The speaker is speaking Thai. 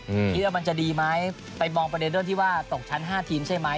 คิดว่ามันจะดีไหมไปมองประเด็นเรื่องที่ว่าตกชั้นห้าทีมใช่ไหม